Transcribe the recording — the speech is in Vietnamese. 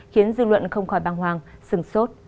khiến dư luận không khỏi băng hoàng sừng sốt